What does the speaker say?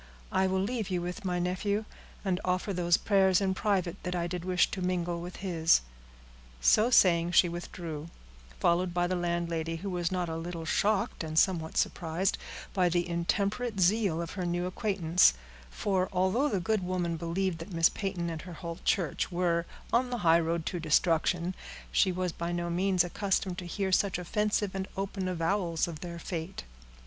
"I will leave you with my nephew, and offer those prayers in private that I did wish to mingle with his." So saying, she withdrew, followed by the landlady, who was not a little shocked, and somewhat surprised, by the intemperate zeal of her new acquaintance; for, although the good woman believed that Miss Peyton and her whole church were on the highroad to destruction, she was by no means accustomed to hear such offensive and open avowals of their fate.